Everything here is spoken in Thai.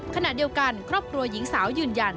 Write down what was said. ขณะเดียวกันครอบครัวหญิงสาวยืนยัน